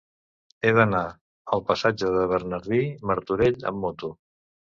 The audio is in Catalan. He d'anar al passatge de Bernardí Martorell amb moto.